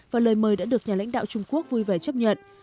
và lời mời đã được nhà lãnh đạo trung quốc vui vẻ chấp nhận